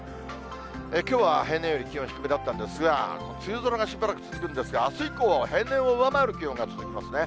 きょうは平年より気温低めだったんですが、梅雨空がしばらく続くんですが、あす以降は平年を上回る気温が続きますね。